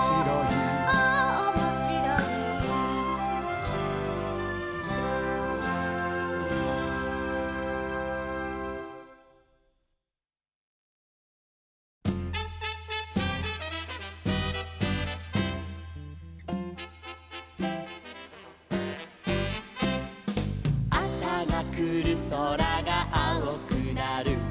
「ああおもしろい」「あさがくるそらがあおくなる」